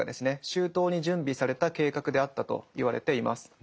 周到に準備された計画であったといわれています。